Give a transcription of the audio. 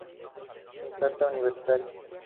Imprenta Universitaria.